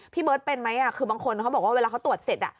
เบิร์ตเป็นไหมคือบางคนเขาบอกว่าเวลาเขาตรวจเสร็จ